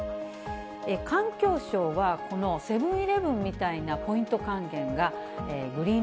環境省はこのセブンーイレブンみたいなポイント還元がグリーン